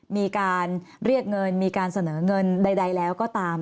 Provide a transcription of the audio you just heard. มีการเรียกเงินมีการเสนอเงินใดแล้วก็ตาม